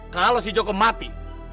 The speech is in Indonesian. kalau si joko mati